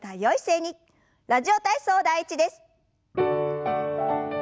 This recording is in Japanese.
「ラジオ体操第１」です。